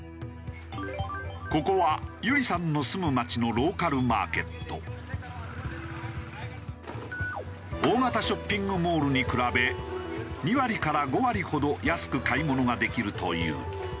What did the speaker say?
ここはＹＵＲＩさんの住む町の大型ショッピングモールに比べ２割から５割ほど安く買い物ができるという。